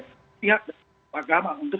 berpihak agama untuk